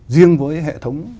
riêng với hệ thống